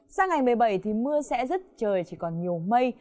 sang ngày một mươi bảy thì mưa sẽ rứt trời chỉ còn nhiều mây